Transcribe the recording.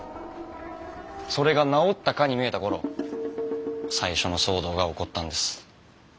それが治ったかに見えた頃最初の騒動が起こったんです。